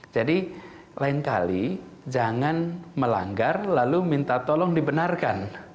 jadi lain kali jangan melanggar lalu minta tolong dibenarkan